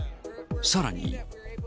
さらに。